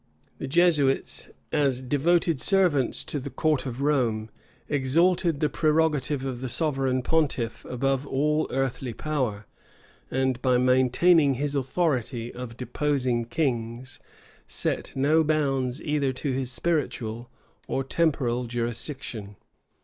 The Jesuits, as devoted servants to the court of Rome, exalted the prerogative of the sovereign pontiff above all earthly power; and by maintaining his authority of deposing kings, set no bounds either to his spiritual or temporal jurisdiction.